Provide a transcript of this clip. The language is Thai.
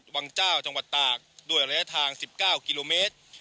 วังเจ้าจังหวัดตากด้วยระยะทาง๑๙กิโลเมตร